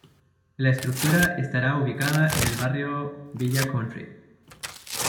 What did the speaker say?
La estructura estará ubicada en el barrio Villa Country.